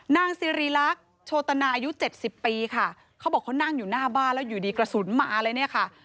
นางสิริรักษ์โชตนาอายุเจ็ดสิบปีค่ะเขาบอกเขานั่งอยู่หน้าบ้านแล้วอยู่ดีกระสุนมาเลยเนี่ยค่ะ